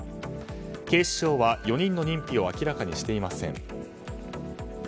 警視庁は、４人の認否を明らかにしていません。